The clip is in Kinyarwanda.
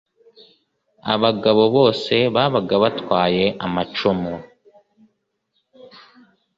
Abagabo bose babaga batwaye amacumu